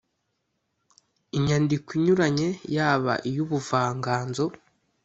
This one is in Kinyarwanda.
Imyandiko inyuranye yaba iy’ubuvanganzo